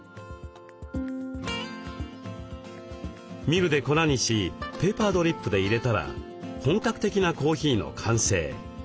ミルで粉にしペーパードリップでいれたら本格的なコーヒーの完成。